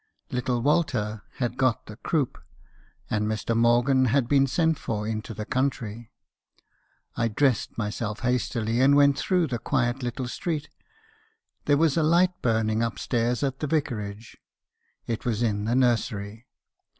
Little Walter had got the croup, and Mr. Morgan had been sent for into the country. I dressed myself hastily, and went through the quiet little street. There was a light burning upstairs at the vicarage. It was in the nursery.